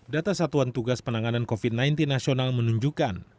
data satuan tugas penanganan covid sembilan belas nasional menunjukkan